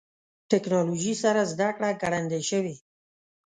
ټکنالوژي سره زدهکړه ګړندۍ شوې.